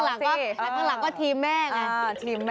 ข้างหลังก็ธีมแม่ไง